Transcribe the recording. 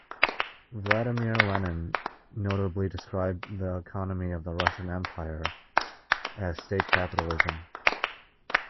Vladimir Lenin notably described the economy of the Russian Empire as state capitalism.